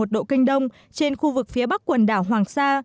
một trăm một mươi ba một độ kinh đông trên khu vực phía bắc quần đảo hoàng sa